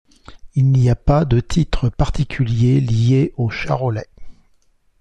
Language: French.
Il n'y a pas de titre particulier lié aux Charolais.